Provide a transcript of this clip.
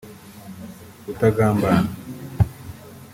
utagambana